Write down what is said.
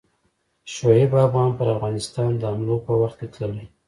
شعیب افغان پر افغانستان د حملو په وخت کې تللی.